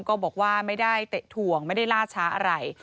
ก็บอกว่าไม่ได้เตะถ่วงไม่ได้ล่าช้าอะไร